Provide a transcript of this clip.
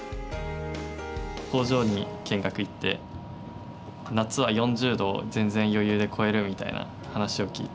工場に見学行って夏は４０度を全然余裕で超えるみたいな話を聞いて。